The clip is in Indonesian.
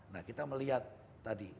nah kita melihat tadi